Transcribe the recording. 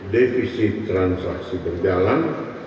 defisit transaksi berjalan